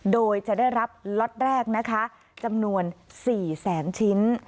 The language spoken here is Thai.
โดยจะได้รับล็อตแรกนะคะจำนวน๔แสนชิ้น